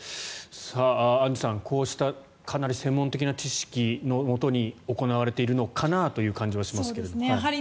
アンジュさん、こうしたかなり専門的な知識のもとに行われているのかなという感じはしますけど。